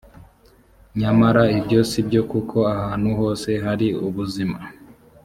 nyamara ibyo si byo kuko ahantu hose hari ubuzima